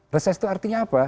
reses itu artinya apa